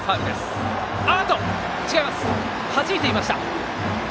はじいていました。